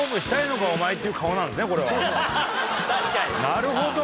なるほど。